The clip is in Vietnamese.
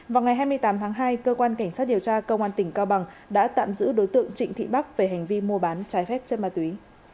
vào ngày hai mươi tám tháng hai cơ quan cảnh sát điều tra công an tỉnh cao bằng đã tạm giữ đối tượng trịnh thị bắc về hành vi mua bán trái phép chất ma túy